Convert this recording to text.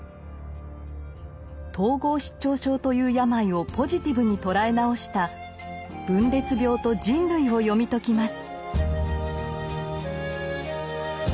統合失調症という病をポジティブに捉え直した「分裂病と人類」を読み解きます。